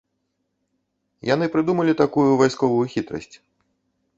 Яны прыдумалі такую вайсковую хітрасць.